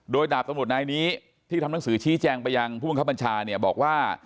โดยดาบตำรวจนายนี้ที่ทำหนังสือชี้แจงไปยังผู้บังคับบัญชาเนี่ยบอกว่า